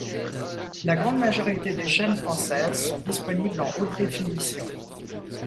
La grande majorité des chaînes françaises sont disponibles en haute définition.